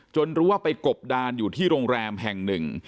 รู้ว่าไปกบดานอยู่ที่โรงแรมแห่งหนึ่ง